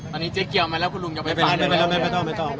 ตอนนี้เจ๊เกียวมาแล้วคุณลุงจะไปฟังได้ไหมครับ